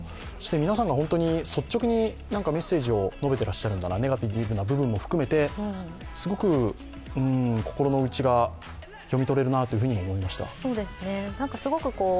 皆さんが本当に率直にメッセージを述べていらっしゃるんだなと、ネガティブな部分も含めてすごく心の内が読み取れるなと思いました。